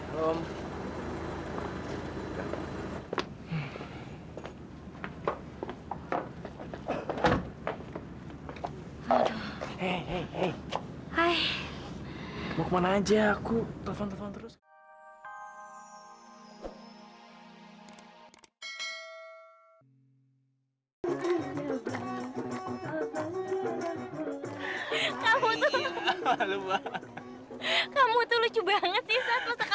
sampai jumpa di video selanjutnya